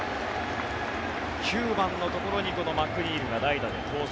９番のところにマクニールが代打で登場。